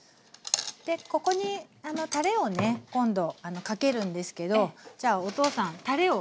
ここにたれをね今度かけるんですけどじゃあお父さんたれをいいですか？